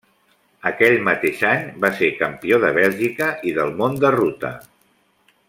Aquell mateix any, va ser campió de Bèlgica i del Món de ruta.